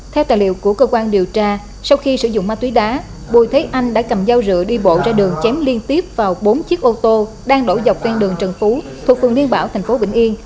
theo tài liệu của cơ quan điều tra sau khi sử dụng ma túy đá bùi thế anh đã cầm dao rượu đi bộ ra đường chém liên tiếp vào bốn chiếc ô tô đang đổ dọc ven đường trần phú thuộc phường liên bảo tp vĩnh yên